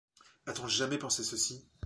A-t-on jamais pensé à ceci